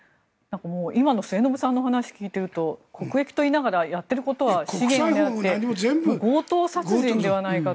今の末延さんのお話を聞いていると国益といいながらやっていることは強盗殺人ではないかと。